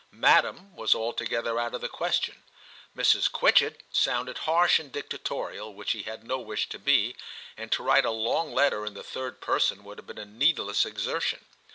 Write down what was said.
* Madam ' was altogether out of the question. ' Mrs. Quitchett' sounded harsh and dictatorial, which he had no wish to be, and to write a long letter in the third person would have been a needless exertion.